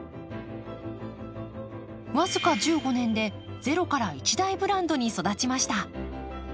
僅か１５年でゼロから一大ブランドに育ちました。